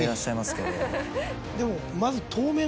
でもまず。